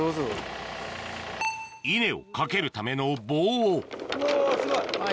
稲を掛けるための棒をうわうわすごい。